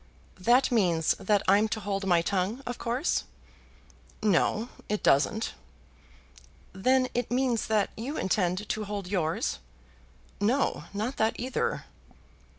"That means that I'm to hold my tongue, of course." "No, it doesn't." "Then it means that you intend to hold yours." "No; not that either."